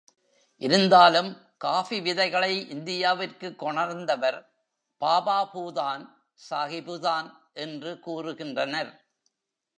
இருந்தாலும் காஃபி விதைகளை இந்தியாவிற்குக் கொணர்ந்தவர் பாபாபூதான் சாகிபுதான் என்று கூறுகின்றனர்.